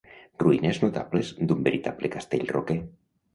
Ruïnes notables d'un veritable castell roquer.